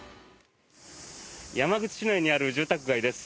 山口市内にある住宅街です。